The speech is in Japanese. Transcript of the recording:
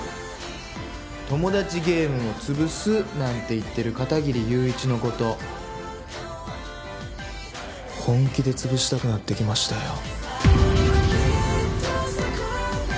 トモダチゲームを潰すなんて言ってる片切友一の事本気で潰したくなってきましたよ。